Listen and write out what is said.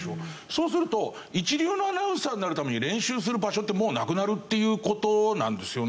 そうすると一流のアナウンサーになるために練習する場所ってもうなくなるっていう事なんですよね。